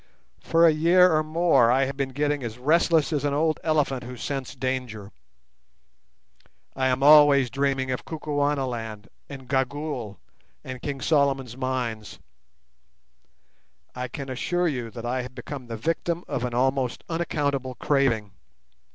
For a year or more I have been getting as restless as an old elephant who scents danger. I am always dreaming of Kukuanaland and Gagool and King Solomon's Mines. I can assure you I have become the victim of an almost unaccountable craving.